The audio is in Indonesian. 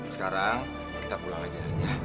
sekarang kita pulang aja